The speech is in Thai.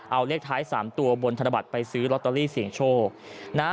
เอาเลขท้ายสามตัวบนธนบัตรไปซื้อลอตเตอรี่เสียงโชคนะ